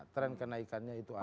trend kenaikannya itu ada